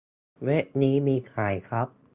เว็บนี้มีขายครับ